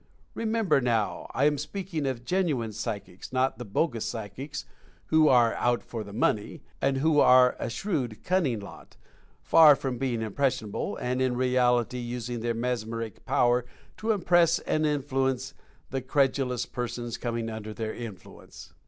Remember, now, I am speak ing of genuine psychics, not the bogus psychics, who "are out for the money," and who are a shrewd, cun ning lot, far from being impressionable, and in reality using their mesmeric power to impress and influence Dangers of Psychism 155 the credulous persons coming under their influence.